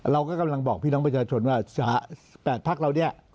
เราก็กำลังบอกพี่น้องประชาชนว่า๘พักเราเนี่ย